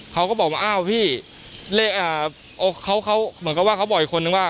เขาก็บอกว่าอ้าวพี่เลขเขาเหมือนกับว่าเขาบอกอีกคนนึงว่า